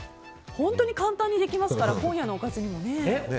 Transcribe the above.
本当に簡単にできますから今夜のおかずにもね。